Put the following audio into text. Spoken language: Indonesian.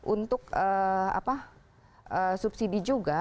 untuk subsidi juga